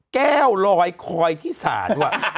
แก้วลอยคอยที่สาม